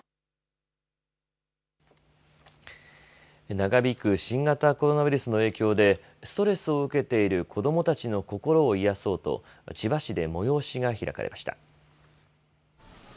長引く新型コロナウイルスの影響で、ストレスを受けている子どもたちの心を癒やそうと、千葉市で催しが開かれました。